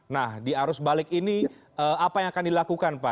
nah di arus balik ini apa yang akan dilakukan pak